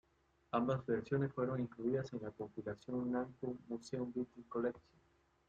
Ambas versiones fueron incluidas en la compilación "Namco Museum Battle Collection".